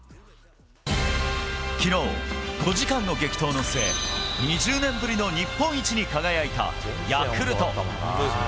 昨日、５時間の激闘の末２０年ぶりの日本一に輝いたヤクルト。